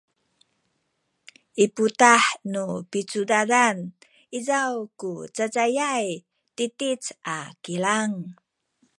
i putah nu picudadan izaw ku cacayay titic a kilang